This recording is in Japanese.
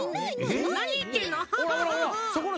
なにいってるの。